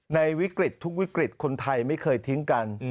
ในวิกฤตทุกวิกฤตคนไทยไม่เคยทิ้งกัน